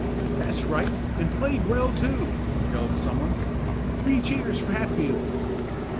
"That's right and played well, too!" yelled someone. "Three cheers for Hatfield!"